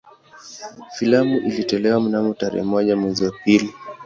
Filamu ilitolewa mnamo tarehe moja mwezi wa pili